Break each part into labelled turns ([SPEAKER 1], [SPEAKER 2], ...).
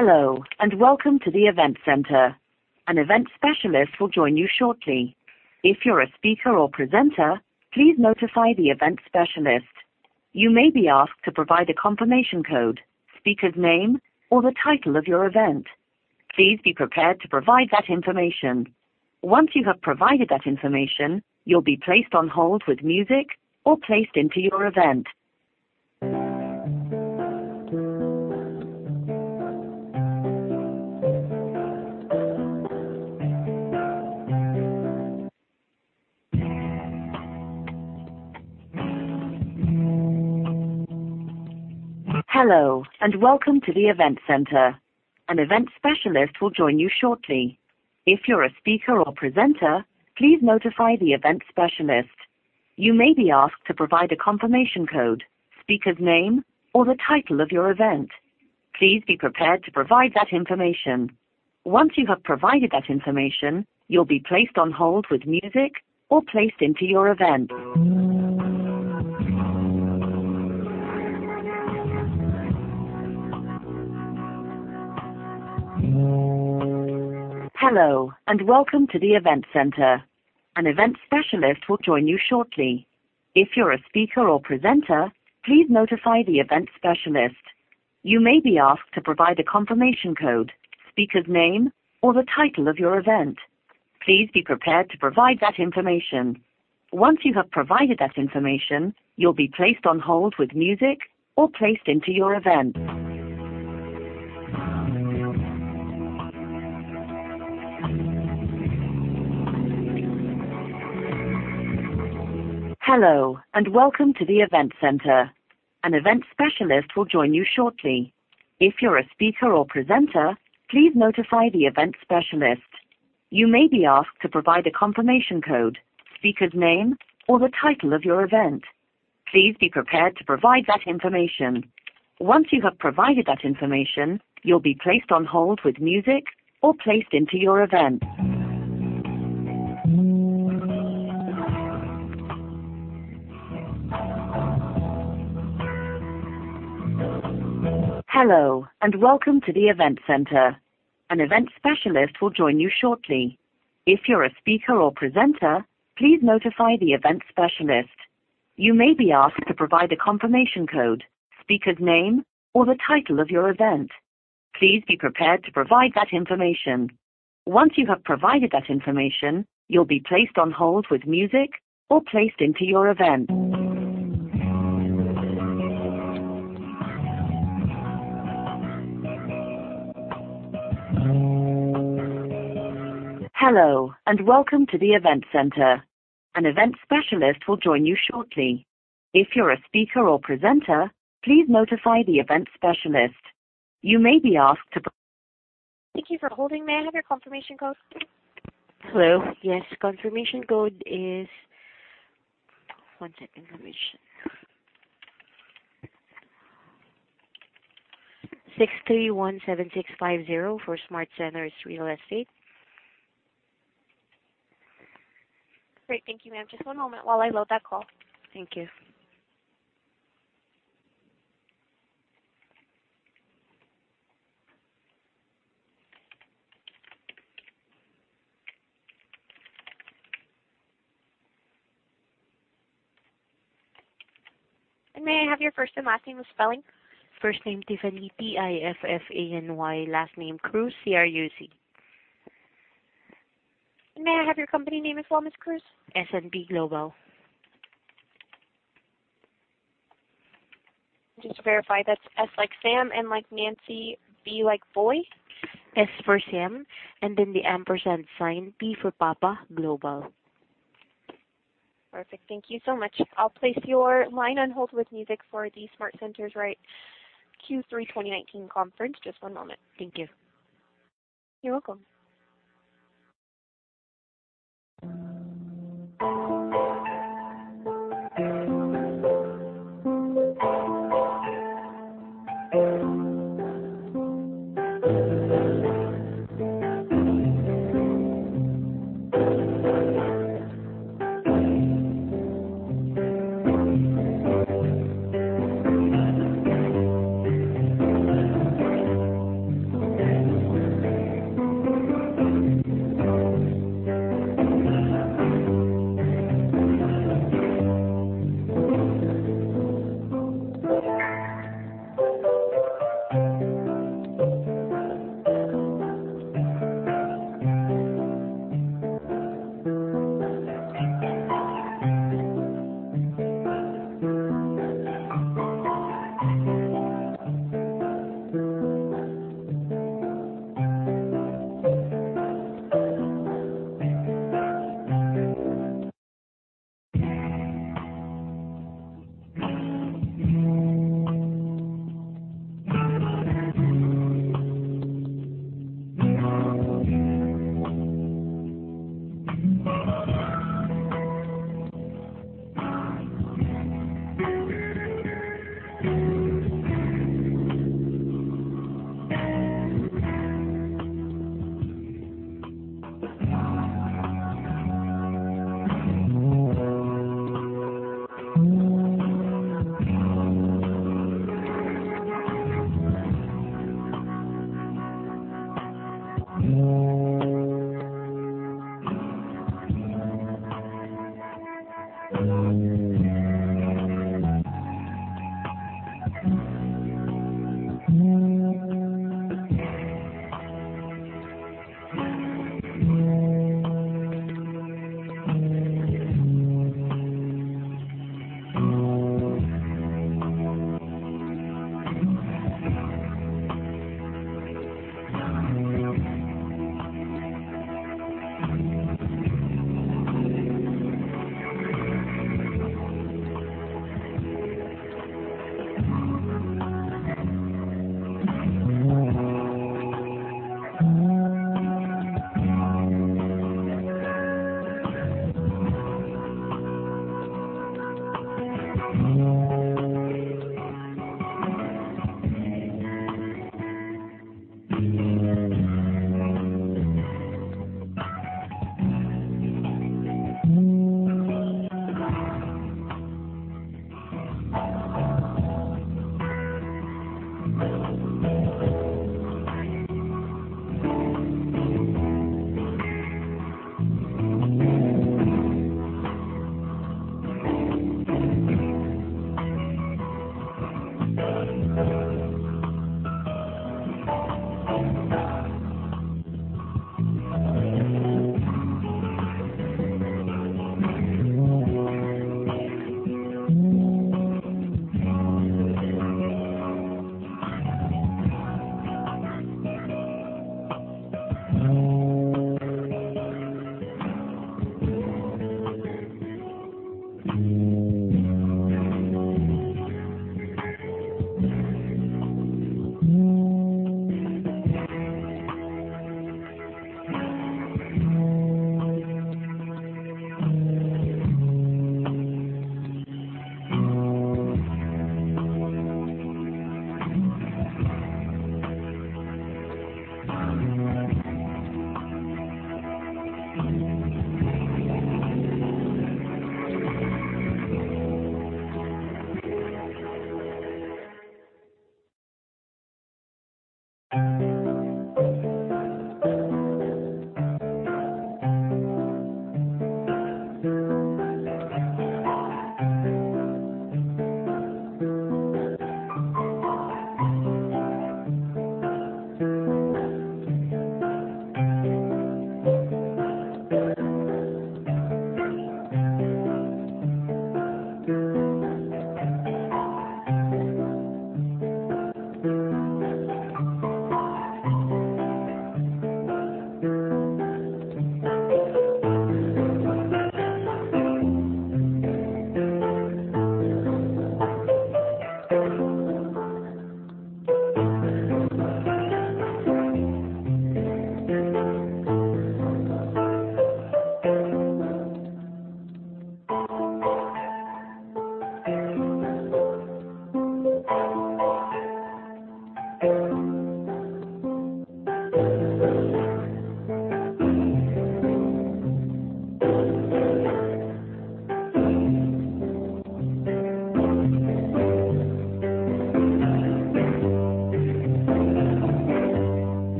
[SPEAKER 1] Good day, welcome to the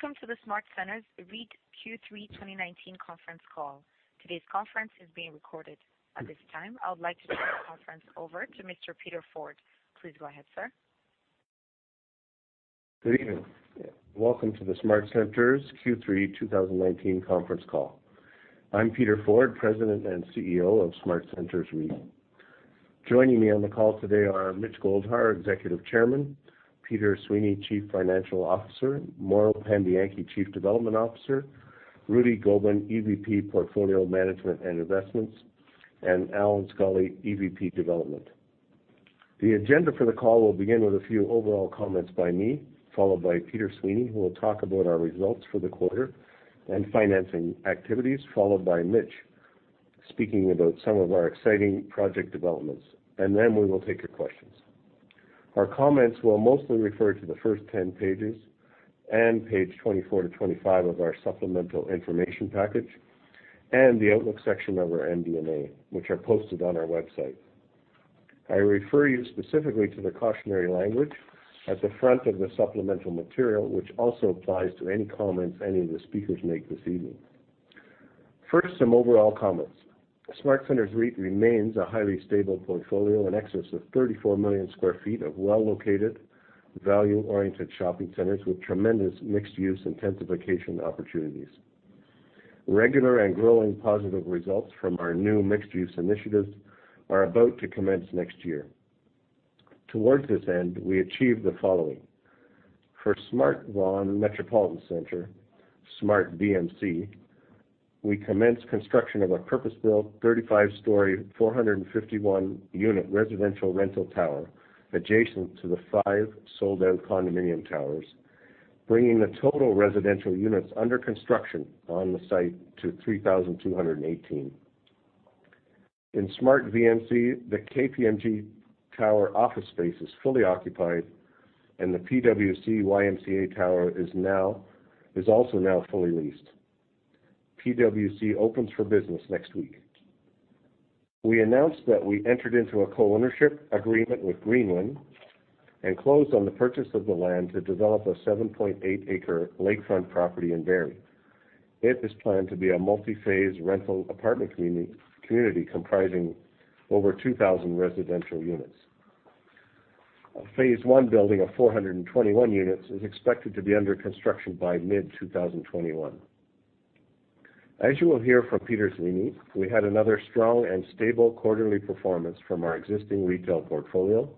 [SPEAKER 1] SmartCentres REIT Q3 2019 conference call. Today's conference is being recorded. At this time, I would like to turn the conference over to Mr. Peter Forde. Please go ahead, sir.
[SPEAKER 2] Good evening. Welcome to the SmartCentres Q3 2019 conference call. I am Peter Forde, President and CEO of SmartCentres REIT. Joining me on the call today are Mitch Goldhar, Executive Chairman, Peter Sweeney, Chief Financial Officer, Mauro Pambianchi, Chief Development Officer, Rudy Gobin, EVP Portfolio Management and Investments, and Allan Scully, EVP Development. The agenda for the call will begin with a few overall comments by me, followed by Peter Sweeney, who will talk about our results for the quarter and financing activities, followed by Mitch speaking about some of our exciting project developments. Then we will take your questions. Our comments will mostly refer to the first 10 pages and page 24-25 of our supplemental information package and the outlook section of our MD&A, which are posted on our website. I refer you specifically to the cautionary language at the front of the supplemental material, which also applies to any comments any of the speakers make this evening. First, some overall comments. SmartCentres REIT remains a highly stable portfolio in excess of 34 million square feet of well-located, value-oriented shopping centers with tremendous mixed-use intensification opportunities. Regular and growing positive results from our new mixed-use initiatives are about to commence next year. Towards this end, we achieved the following. For SmartCentres Vaughan Metropolitan Centre, SmartVMC, we commenced construction of a purpose-built, 35-story, 451-unit residential rental tower adjacent to the five sold-out condominium towers, bringing the total residential units under construction on the site to 3,218. In SmartVMC, the KPMG Tower office space is fully occupied, and the PwC/YMCA Tower is also now fully leased. PwC opens for business next week. We announced that we entered into a co-ownership agreement with Greenland and closed on the purchase of the land to develop a 7.8 acres lakefront property in Barrie. It is planned to be a multi-phase rental apartment community comprising over 2,000 residential units. A phase one building of 421 units is expected to be under construction by mid-2021. As you will hear from Peter Sweeney, we had another strong and stable quarterly performance from our existing retail portfolio,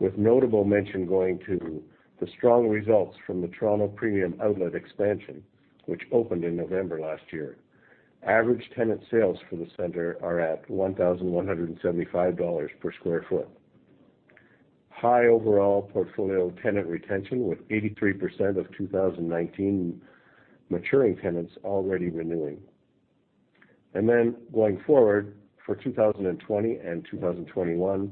[SPEAKER 2] with notable mention going to the strong results from the Toronto Premium Outlet expansion, which opened in November last year. Average tenant sales for the center are at 1,175 dollars per square foot. High overall portfolio tenant retention, with 83% of 2019 maturing tenants already renewing. Going forward, for 2020 and 2021,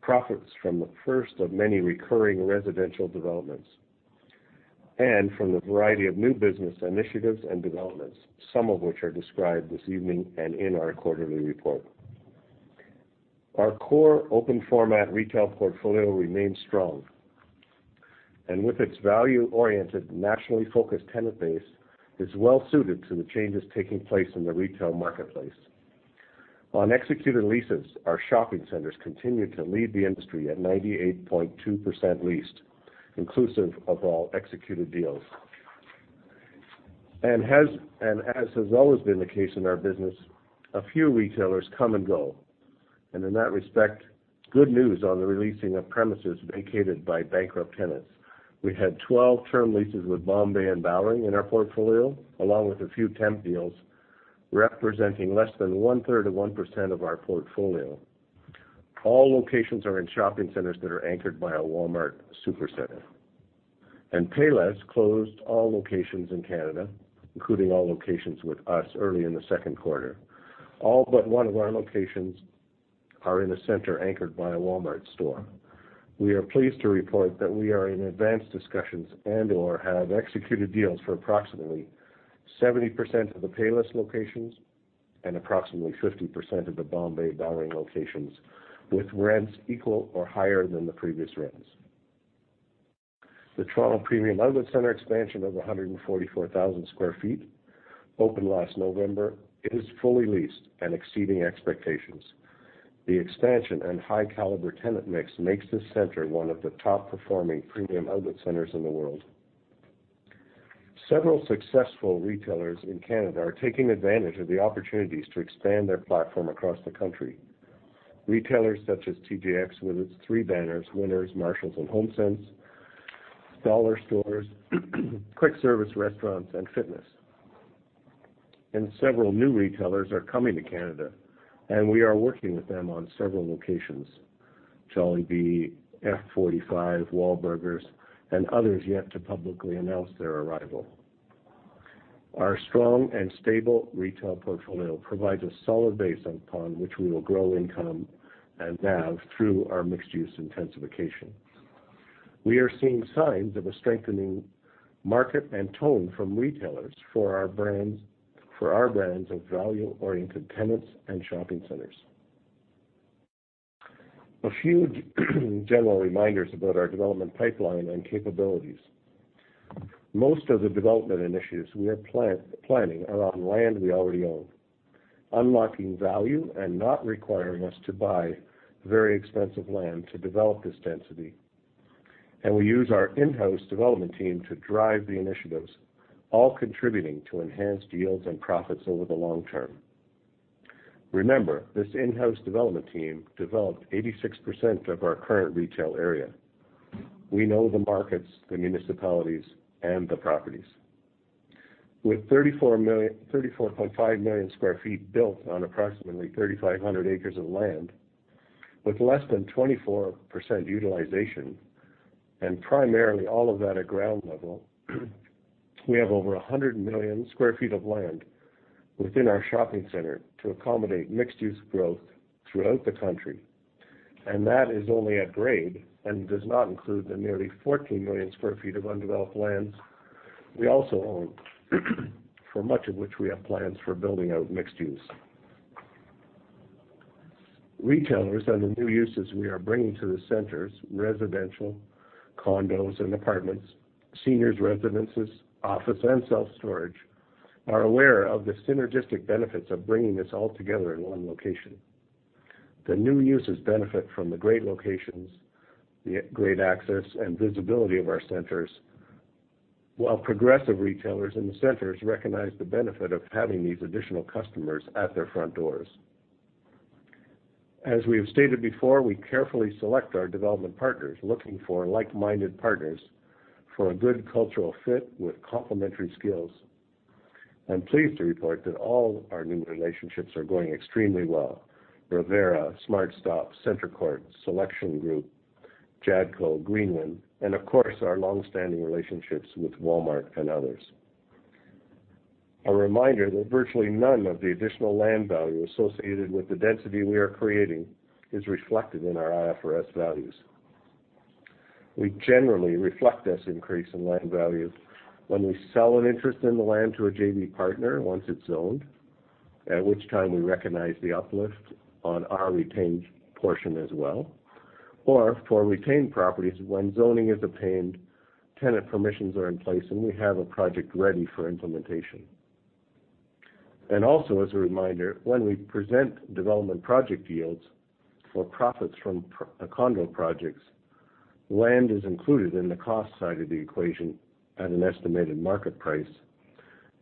[SPEAKER 2] profits from the first of many recurring residential developments and from the variety of new business initiatives and developments, some of which are described this evening and in our quarterly report. Our core open-format retail portfolio remains strong, and with its value-oriented, nationally focused tenant base, is well-suited to the changes taking place in the retail marketplace. On executed leases, our shopping centers continued to lead the industry at 98.2% leased, inclusive of all executed deals. As has always been the case in our business, a few retailers come and go. In that respect, good news on the releasing of premises vacated by bankrupt tenants. We had 12 term leases with Bombay and Bowring in our portfolio, along with a few temp deals, representing less than one-third of 1% of our portfolio. All locations are in shopping centers that are anchored by a Walmart Supercentre. Payless closed all locations in Canada, including all locations with us early in the second quarter. All but one of our locations are in a center anchored by a Walmart store. We are pleased to report that we are in advanced discussions and/or have executed deals for approximately 70% of the Payless locations and approximately 50% of the Bombay/Bowring locations, with rents equal to or higher than the previous rents. The Toronto Premium Outlet center expansion of 144,000 sq ft opened last November. It is fully leased and exceeding expectations. The expansion and high-caliber tenant mix makes this center one of the top-performing premium outlet centers in the world. Several successful retailers in Canada are taking advantage of the opportunities to expand their platform across the country. Retailers such as TJX with its three banners, Winners, Marshalls, and HomeSense, dollar stores, quick service restaurants, and fitness. Several new retailers are coming to Canada, and we are working with them on several locations. Jollibee, F45, Wahlburgers, and others yet to publicly announce their arrival. Our strong and stable retail portfolio provides a solid base upon which we will grow income and NAV through our mixed-use intensification. We are seeing signs of a strengthening market and tone from retailers for our brands of value-oriented tenants and shopping centers. A few general reminders about our development pipeline and capabilities. Most of the development initiatives we are planning are on land we already own, unlocking value and not requiring us to buy very expensive land to develop this density. We use our in-house development team to drive the initiatives, all contributing to enhanced yields and profits over the long term. Remember, this in-house development team developed 86% of our current retail area. We know the markets, the municipalities, and the properties. With 34.5 million sq ft built on approximately 3,500 acres of land, with less than 24% utilization, and primarily all of that at ground level, we have over 100 million sq ft of land within our shopping center to accommodate mixed-use growth throughout the country. That is only at grade and does not include the nearly 14 million sq ft of undeveloped lands we also own, for much of which we have plans for building out mixed use. Retailers and the new users we are bringing to the centers, residential, condos and apartments, seniors residences, office and self-storage, are aware of the synergistic benefits of bringing this all together in one location. The new users benefit from the great locations, the great access, and visibility of our centers. While progressive retailers in the centers recognize the benefit of having these additional customers at their front doors. As we have stated before, we carefully select our development partners, looking for like-minded partners for a good cultural fit with complementary skills. I'm pleased to report that all our new relationships are going extremely well. Revera, SmartStop, CentreCourt, Selection Group, Jadco, Greenland, and of course, our long-standing relationships with Walmart and others. A reminder that virtually none of the additional land value associated with the density we are creating is reflected in our IFRS values. We generally reflect this increase in land value when we sell an interest in the land to a JV partner once it's zoned, at which time we recognize the uplift on our retained portion as well, or for retained properties, when zoning is obtained, tenant permissions are in place, and we have a project ready for implementation. Also, as a reminder, when we present development project yields or profits from condo projects, land is included in the cost side of the equation at an estimated market price,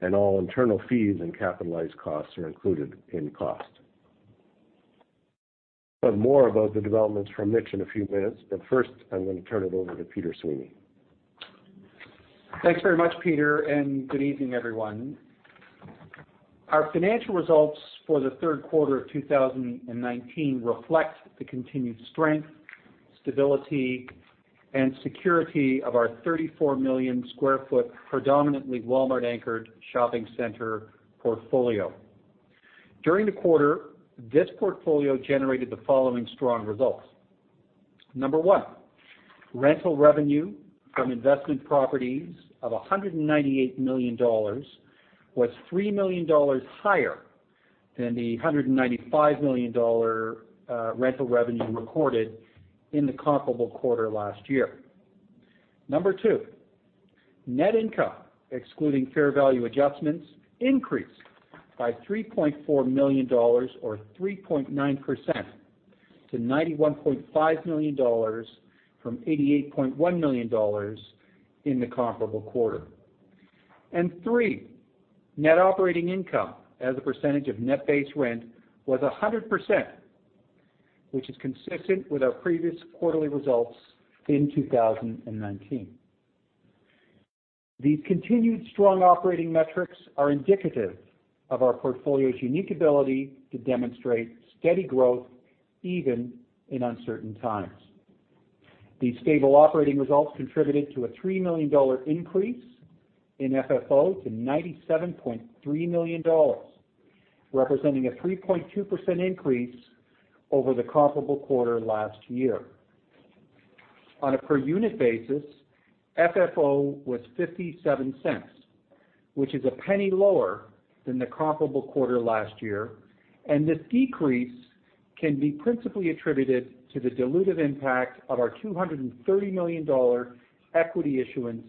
[SPEAKER 2] and all internal fees and capitalized costs are included in cost. More about the developments from Mitch in a few minutes, but first, I'm going to turn it over to Peter Sweeney.
[SPEAKER 3] Thanks very much, Peter Forde, good evening, everyone. Our financial results for the third quarter of 2019 reflect the continued strength, stability, and security of our 34-million-square-foot, predominantly Walmart-anchored shopping center portfolio. During the quarter, this portfolio generated the following strong results. Number one, rental revenue from investment properties of 198 million dollars was 3 million dollars higher than the 195 million dollar rental revenue recorded in the comparable quarter last year. Number two, net income, excluding fair value adjustments, increased by 3.4 million dollars, or 3.9%, to 91.5 million dollars from 88.1 million dollars in the comparable quarter. Three, net operating income as a percentage of net base rent was 100%, which is consistent with our previous quarterly results in 2019. These continued strong operating metrics are indicative of our portfolio's unique ability to demonstrate steady growth even in uncertain times. These stable operating results contributed to a 3 million dollar increase in FFO to 97.3 million dollars, representing a 3.2% increase over the comparable quarter last year. On a per-unit basis, FFO was 0.57, which is CAD 0.01 lower than the comparable quarter last year. This decrease can be principally attributed to the dilutive impact of our 230 million dollar equity issuance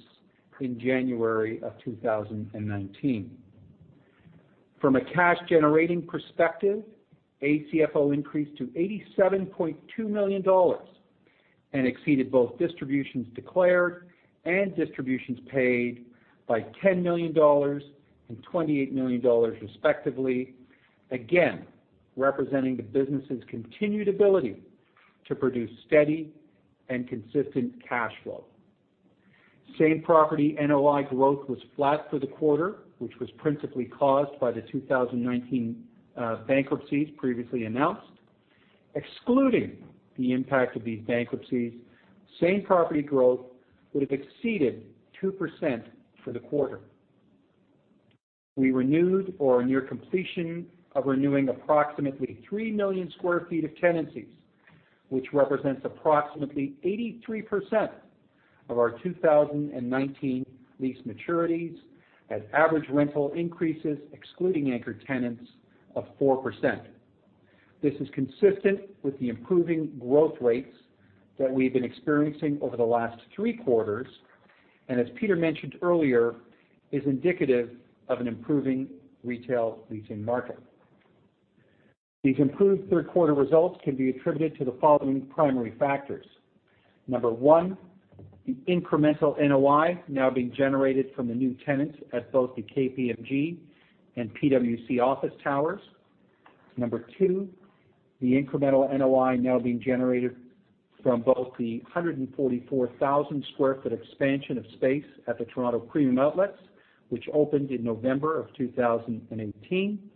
[SPEAKER 3] in January of 2019. From a cash-generating perspective, ACFO increased to 87.2 million dollars and exceeded both distributions declared and distributions paid by 10 million dollars and 28 million dollars, respectively, again representing the business's continued ability to produce steady and consistent cash flow. Same property NOI growth was flat for the quarter, which was principally caused by the 2019 bankruptcies previously announced. Excluding the impact of these bankruptcies, same property growth would have exceeded 2% for the quarter. We renewed or are near completion of renewing approximately 3 million square feet of tenancies, which represents approximately 83% of our 2019 lease maturities at average rental increases, excluding anchor tenants, of 4%. This is consistent with the improving growth rates that we've been experiencing over the last three quarters, and as Peter mentioned earlier, is indicative of an improving retail leasing market. These improved third quarter results can be attributed to the following primary factors. Number 1, the incremental NOI now being generated from the new tenants at both the KPMG and PwC office towers. Number 2, the incremental NOI now being generated from both the 144,000 square foot expansion of space at the Toronto Premium Outlets, which opened in November of 2018,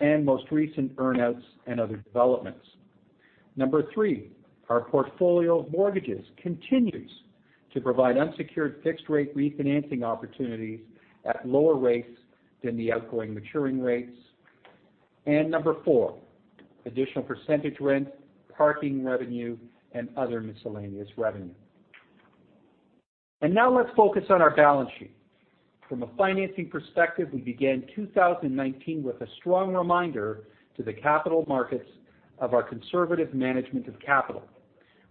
[SPEAKER 3] and most recent earn-outs and other developments. Number three, our portfolio of mortgages continues to provide unsecured fixed rate refinancing opportunities at lower rates than the outgoing maturing rates. Number four, additional percentage rent, parking revenue, and other miscellaneous revenue. Now let's focus on our balance sheet. From a financing perspective, we began 2019 with a strong reminder to the capital markets of our conservative management of capital.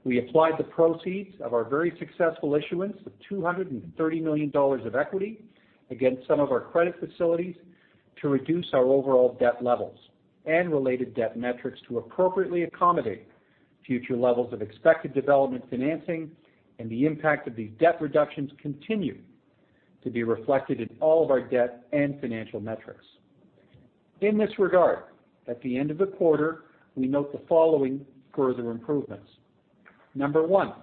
[SPEAKER 3] We applied the proceeds of our very successful issuance of 230 million dollars of equity against some of our credit facilities to reduce our overall debt levels and related debt metrics to appropriately accommodate future levels of expected development financing. The impact of these debt reductions continue to be reflected in all of our debt and financial metrics. In this regard, at the end of the quarter, we note the following further improvements. Number one,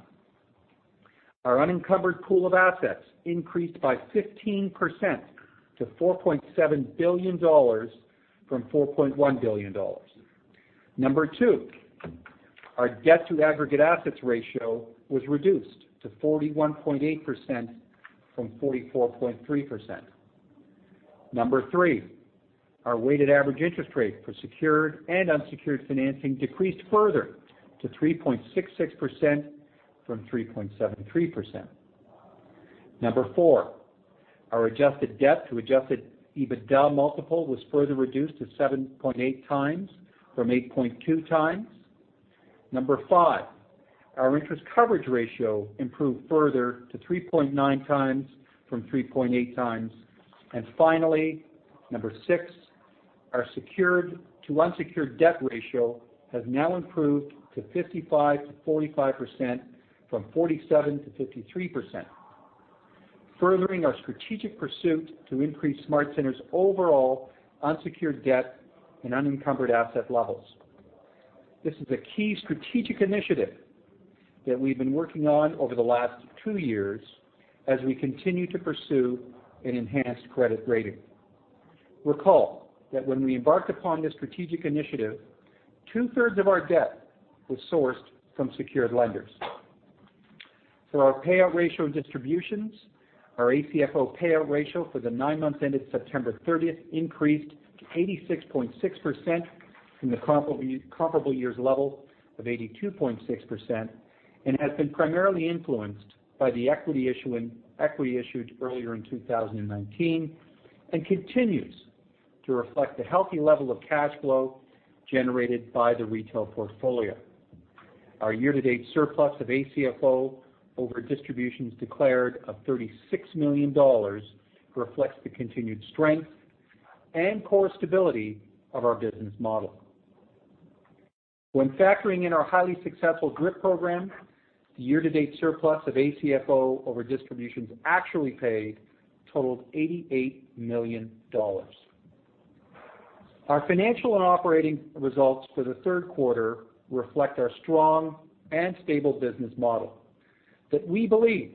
[SPEAKER 3] our unencumbered pool of assets increased by 15% to 4.7 billion dollars from 4.1 billion dollars. Number two, our debt to aggregate assets ratio was reduced to 41.8% from 44.3%. Number three, our weighted average interest rate for secured and unsecured financing decreased further to 3.66% from 3.73%. Number four, our adjusted debt to adjusted EBITDA multiple was further reduced to 7.8x from 8.2x. Number five, our interest coverage ratio improved further to 3.9x from 3.8x. Finally, number six, our secured to unsecured debt ratio has now improved to 55%-45% from 47%-53%, furthering our strategic pursuit to increase SmartCentres' overall unsecured debt and unencumbered asset levels. This is a key strategic initiative that we've been working on over the last two years as we continue to pursue an enhanced credit rating. Recall that when we embarked upon this strategic initiative, two-thirds of our debt was sourced from secured lenders. For our payout ratio and distributions, our ACFO payout ratio for the nine months ended September 30th increased to 86.6% from the comparable year's level of 82.6%, and has been primarily influenced by the equity issued earlier in 2019, and continues to reflect the healthy level of cash flow generated by the retail portfolio. Our year-to-date surplus of ACFO over distributions declared of 36 million dollars reflects the continued strength and core stability of our business model. When factoring in our highly successful DRIP program, the year-to-date surplus of ACFO over distributions actually paid totaled 88 million dollars. Our financial and operating results for the third quarter reflect our strong and stable business model that we believe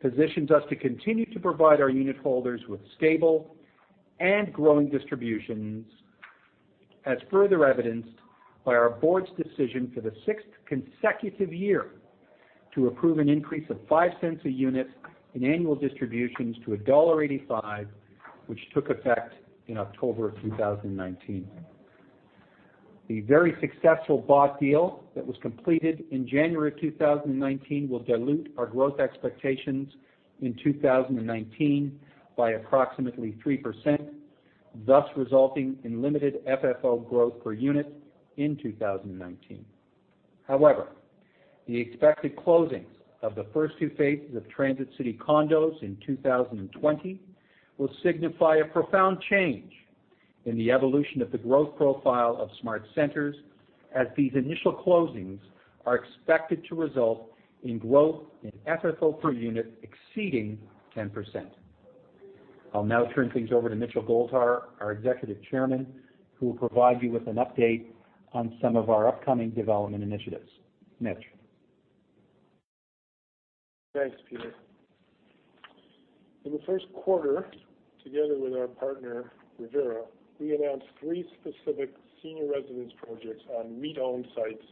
[SPEAKER 3] positions us to continue to provide our unit holders with stable and growing distributions as further evidenced by our board's decision for the sixth consecutive year to approve an increase of 0.05 a unit in annual distributions to dollar 1.85, which took effect in October of 2019. The very successful bought deal that was completed in January of 2019 will dilute our growth expectations in 2019 by approximately 3%, thus resulting in limited FFO growth per unit in 2019. However, the expected closings of the first two phases of Transit City Condos in 2020 will signify a profound change in the evolution of the growth profile of SmartCentres, as these initial closings are expected to result in growth in FFO per unit exceeding 10%. I'll now turn things over to Mitchell Goldhar, our Executive Chairman, who will provide you with an update on some of our upcoming development initiatives. Mitch?
[SPEAKER 4] Thanks, Peter. In the first quarter, together with our partner, Revera, we announced 3 specific senior residence projects on REIT-owned sites,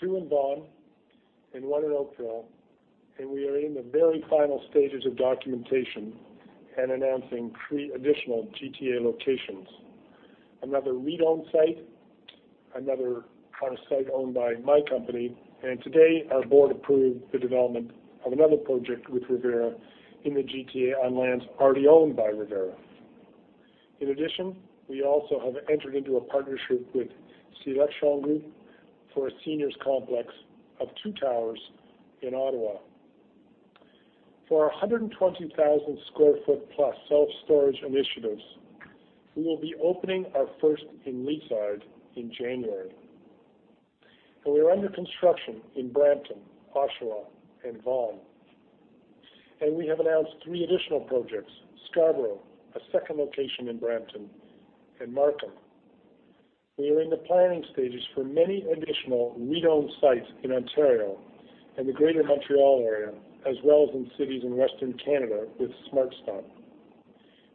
[SPEAKER 4] 2 in Vaughan and 1 in Oakville. We are in the very final stages of documentation and announcing 3 additional GTA locations. Another REIT-owned site, another on a site owned by my company. Today, our board approved the development of another project with Revera in the GTA on lands already owned by Revera. In addition, we also have entered into a partnership with C. Latendresse for a seniors complex of 2 towers in Ottawa. For our 120,000 sq ft, plus self-storage initiatives, we will be opening our first in Leaside in January. We are under construction in Brampton, Oshawa, and Vaughan. We have announced 3 additional projects, Scarborough, a second location in Brampton, and Markham. We are in the planning stages for many additional REIT-owned sites in Ontario and the greater Montreal area, as well as in cities in Western Canada with SmartStop.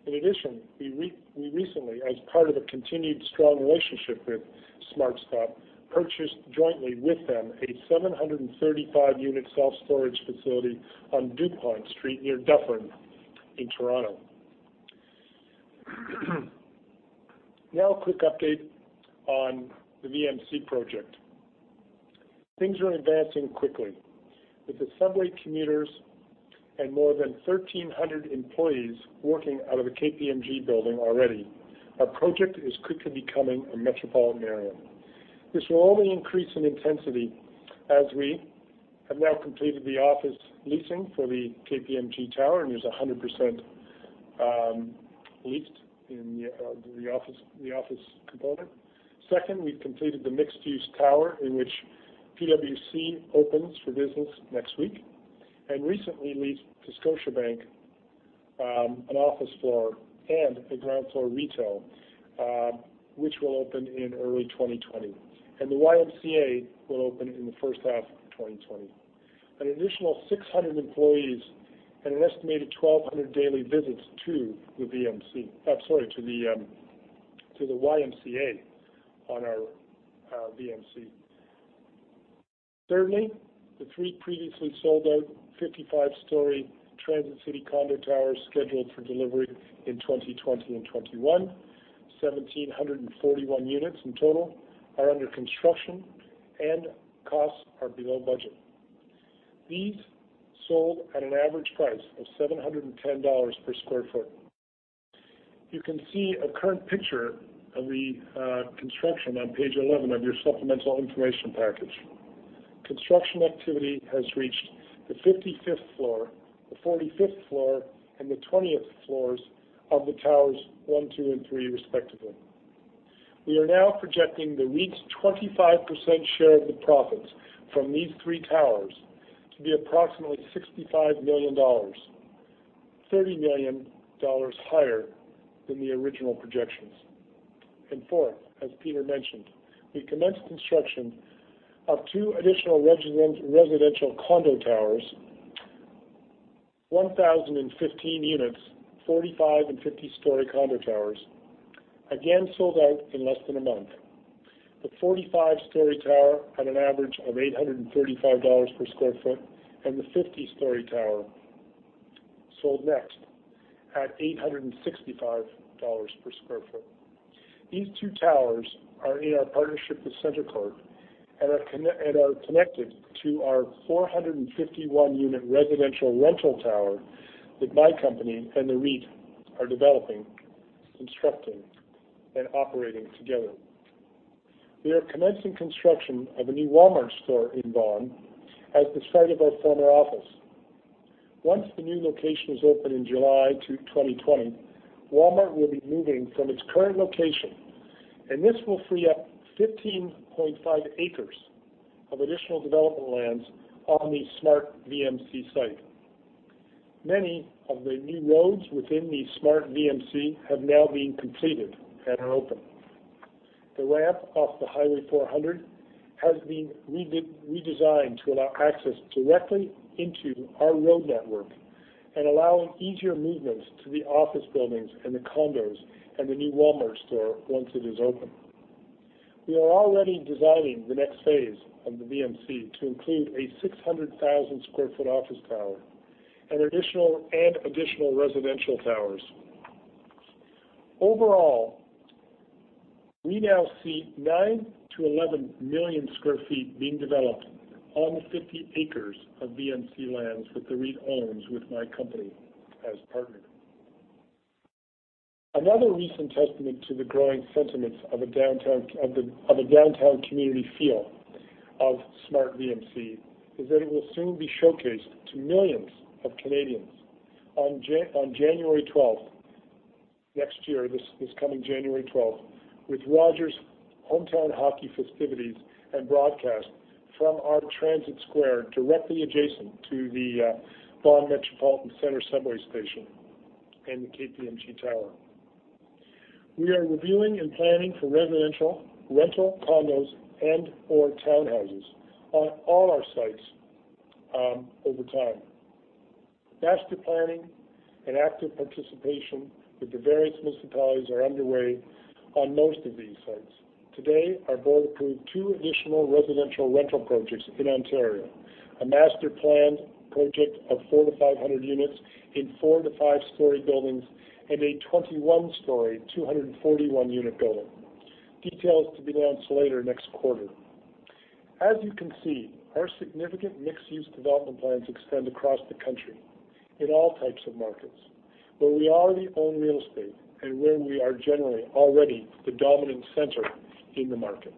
[SPEAKER 4] We recently, as part of a continued strong relationship with SmartStop, purchased jointly with them a 735-unit self-storage facility on Dupont Street near Dufferin in Toronto. A quick update on the VMC project. Things are advancing quickly. With subway commuters and more than 1,300 employees working out of the KPMG building already, our project is quickly becoming a metropolitan area. This will only increase in intensity as we have now completed the office leasing for the KPMG tower, and it is 100% leased in the office component. Second, we've completed the mixed-use tower, in which PwC opens for business next week, and recently leased to Scotiabank, an office floor and a ground-floor retail, which will open in early 2020. The YMCA will open in the first half of 2020. An additional 600 employees and an estimated 1,200 daily visits to the YMCA on our VMC. Thirdly, the three previously sold-out 55-story Transit City condo towers scheduled for delivery in 2020 and 2021, 1,741 units in total, are under construction and costs are below budget. These sold at an average price of 710 dollars per sq ft. You can see a current picture of the construction on page 11 of your supplemental information package. Construction activity has reached the 55th floor, the 45th floor, and the 20th floors of the towers one, two, and three, respectively. We are now projecting the REIT's 25% share of the profits from these three towers to be approximately 65 million dollars, 30 million dollars higher than the original projections. Fourth, as Peter mentioned, we commenced construction of two additional residential condo towers, 1,015 units, 45- and 50-story condo towers, again, sold out in less than a month. The 45-story tower at an average of 835 dollars per square foot, the 50-story tower sold next at 865 dollars per square foot. These two towers are in our partnership with CentreCourt and are connected to our 451-unit residential rental tower that my company and the REIT are developing, constructing, and operating together. We are commencing construction of a new Walmart store in Vaughan at the site of our former office. Once the new location is open in July 2020, Walmart will be moving from its current location, this will free up 15.5 acres of additional development lands on the SmartVMC site. Many of the new roads within the SmartVMC have now been completed and are open. The ramp off the Highway 400 has been redesigned to allow access directly into our road network and allowing easier movements to the office buildings, and the condos, and the new Walmart store once it is open. We are already designing the next phase of the VMC to include a 600,000 sq ft office tower and additional residential towers. Overall, we now see 9 million-11 million sq ft being developed on the 50 acres of VMC lands that the REIT owns with my company as partner. Another recent testament to the growing sentiments of a downtown community feel of SmartVMC is that it will soon be showcased to millions of Canadians on January 12th next year, this coming January 12th, with Rogers Hometown Hockey festivities and broadcast from our Transit Square directly adjacent to the Vaughan Metropolitan Centre subway station and the KPMG Tower. We are reviewing and planning for residential, rental condos, and or townhouses on all our sites over time. Master planning and active participation with the various municipalities are underway on most of these sites. Today, our board approved two additional residential rental projects in Ontario, a master-planned project of 400-500 units in 4- to 5-story buildings and a 21-story, 241-unit building. Details to be announced later next quarter. As you can see, our significant mixed-use development plans extend across the country in all types of markets where we already own real estate and where we are generally already the dominant center in the market.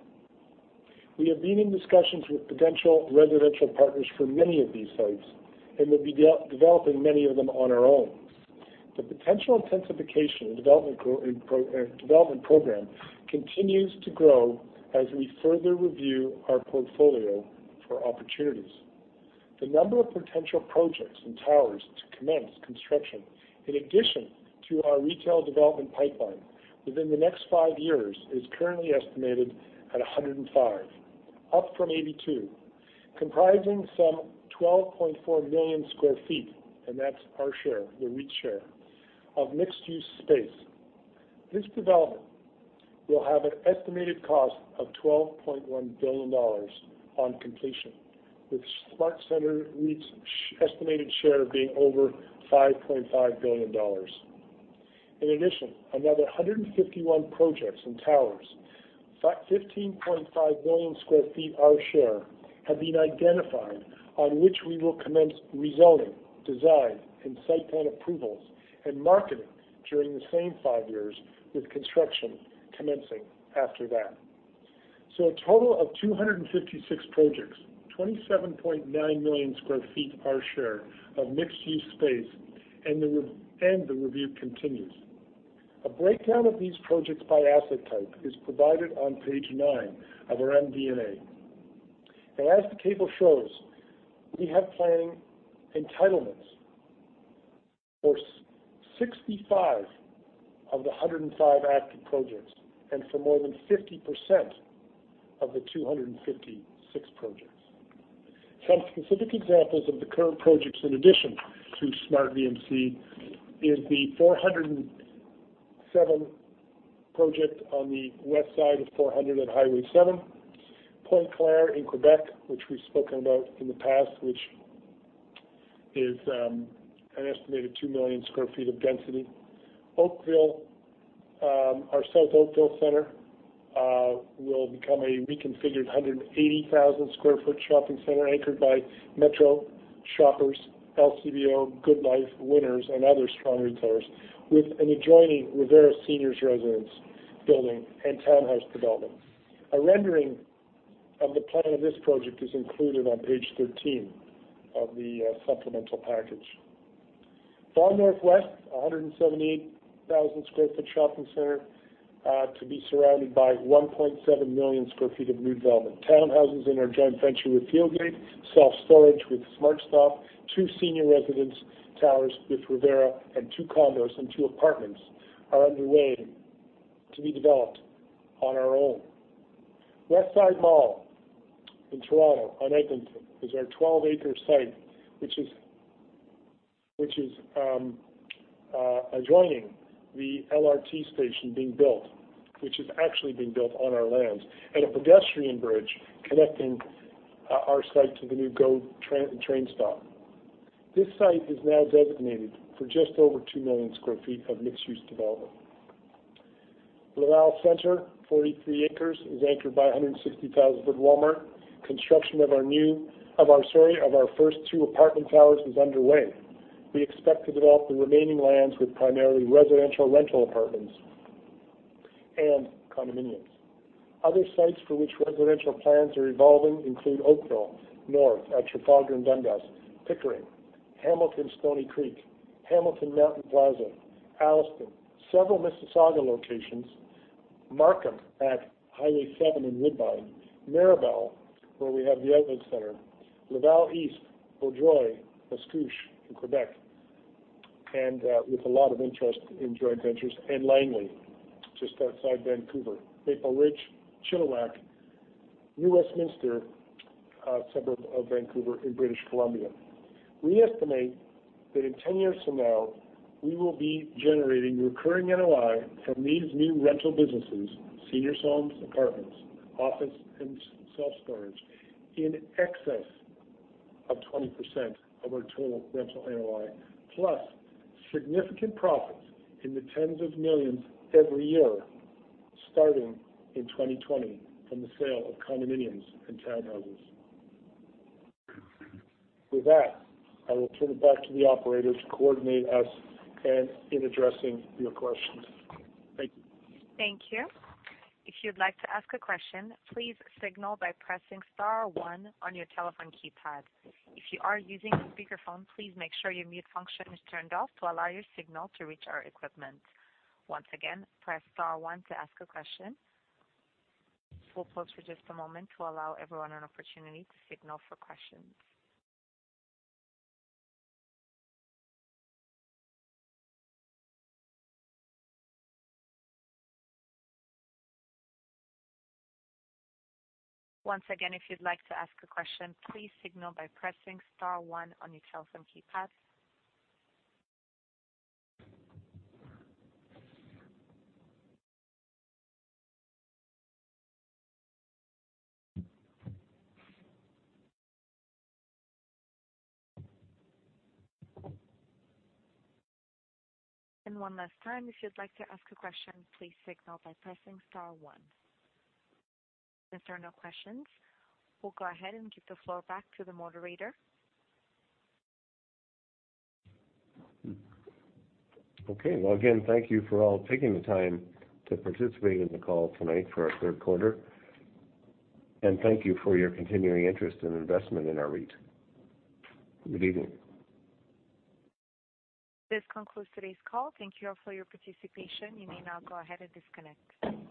[SPEAKER 4] We have been in discussions with potential residential partners for many of these sites and will be developing many of them on our own. Potential intensification in development program continues to grow as we further review our portfolio for opportunities. The number of potential projects and towers to commence construction, in addition to our retail development pipeline within the next five years, is currently estimated at 105, up from 82, comprising some 12.4 million square feet, and that's our share, the REIT share, of mixed-use space. This development will have an estimated cost of 12.1 billion dollars on completion, with SmartCentres REIT's estimated share being over 5.5 billion dollars. In addition, another 151 projects and towers, 15.5 million square feet our share, have been identified on which we will commence rezoning, design, and site plan approvals and marketing during the same five years, with construction commencing after that. A total of 256 projects, 27.9 million square feet our share of mixed-use space, and the review continues. A breakdown of these projects by asset type is provided on page nine of our MD&A. As the table shows, we have planning entitlements for 65 of the 105 active projects and for more than 50% of the 256 projects. Some specific examples of the current projects in addition to SmartVMC is the 407 project on the west side of 400 and Highway 7. Pointe-Claire in Quebec, which we've spoken about in the past, which is an estimated 2 million sq ft of density. Oakville, our South Oakville Centre, will become a reconfigured 180,000 sq ft shopping center anchored by Metro, Shoppers, LCBO, GoodLife Fitness, Winners, and other strong retailers, with an adjoining Revera seniors residence building and townhouse development. A rendering of the plan of this project is included on page 13 of the supplemental package. Far Northwest, 178,000 sq ft shopping center to be surrounded by 1.7 million sq ft of new development. Townhouses in our joint venture with Fieldgate, self-storage with SmartStop, two senior residence towers with Revera, and two condos and two apartments are underway to be developed on our own. Westside Mall in Toronto on Eglinton is our 12-acre site, adjoining the LRT station being built, which is actually being built on our land, and a pedestrian bridge connecting our site to the new GO train stop. This site is now designated for just over 2 million sq ft of mixed-use development. Laval Centre, 43 acres, is anchored by 160,000 sq ft Walmart. Construction of our first two apartment towers is underway. We expect to develop the remaining lands with primarily residential rental apartments and condominiums. Other sites for which residential plans are evolving include Oakville North at Trafalgar and Dundas, Pickering, Hamilton Stoney Creek, Hamilton Mountain Plaza, Alliston, several Mississauga locations, Markham at Highway 7 and Woodbine, Mirabel, where we have the outlet center, Laval East, Beauharnois, Mascouche in Quebec, and with a lot of interest in joint ventures, and Langley, just outside Vancouver. Maple Ridge, Chilliwack, New Westminster, a suburb of Vancouver in British Columbia. We estimate that in 10 years from now, we will be generating recurring NOI from these new rental businesses, senior homes, apartments, office, and self-storage, in excess of 20% of our total rental NOI, plus significant profits in the tens of millions every year starting in 2020 from the sale of condominiums and townhouses. With that, I will turn it back to the operator to coordinate us in addressing your questions. Thank you.
[SPEAKER 5] Thank you. If you'd like to ask a question, please signal by pressing star one on your telephone keypad. If you are using a speakerphone, please make sure your mute function is turned off to allow your signal to reach our equipment. Once again, press star one to ask a question. We'll pause for just a moment to allow everyone an opportunity to signal for questions. Once again, if you'd like to ask a question, please signal by pressing star one on your telephone keypad. And one last time, if you'd like to ask a question, please signal by pressing star one. If there are no questions, we'll go ahead and give the floor back to the moderator.
[SPEAKER 4] Okay. Well, again, thank you for all taking the time to participate in the call tonight for our third quarter. Thank you for your continuing interest and investment in our REIT. Good evening.
[SPEAKER 5] This concludes today's call. Thank you all for your participation. You may now go ahead and disconnect.